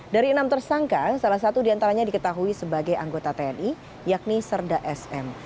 dari enam tersangka salah satu diantaranya diketahui sebagai anggota tni yakni serda sm